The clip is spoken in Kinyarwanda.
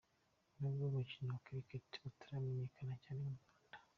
N’ubwo umukino wa Cricket utaramenyekana cyane mu Rwanda.